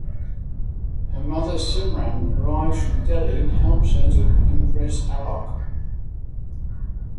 Her mother Simran arrives from Delhi and helps her to impress Alok.